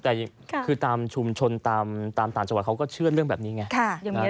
แต่คือตามชุมชนตามต่างจังหวัดเขาก็เชื่อเรื่องแบบนี้ไง